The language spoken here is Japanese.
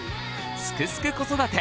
「すくすく子育て」